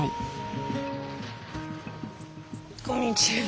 こんにちは。